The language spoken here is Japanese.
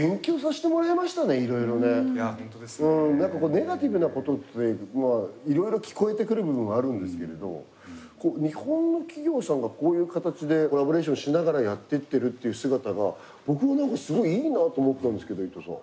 ネガティブなことってまあいろいろ聞こえてくる部分はあるんですけれど日本の企業さんがこういう形でコラボレーションしながらやってってるっていう姿が僕はなんかすごいいいなぁと思ったんですけど伊藤さん。